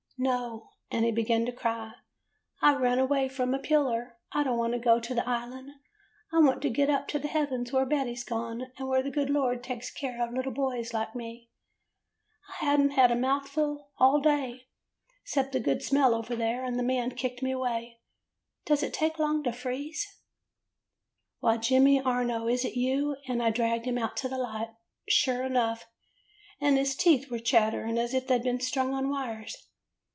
" 'No,' and he began to cry. 'I run away from a peeler. I don't want to go to the Island. I want to get up to the heaven where Betty 's gone, and where the good Lord takes care of little boys like me. I have n't had a mouthful all day 'cept the good smell over there, and the man kicked me away. Does it take long to freeze?' "'Why, Jemmy Arno, is it you?' and I dragged him out to the light. Sure enough! [ 59 ] AN EASTER LILY And his teeth were chattering as if they 'd been strung on wires.